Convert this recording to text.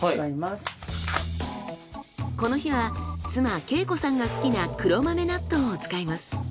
この日は妻計子さんが好きな黒豆納豆を使います。